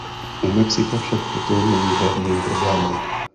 U Mexika však toto není hlavním problémem.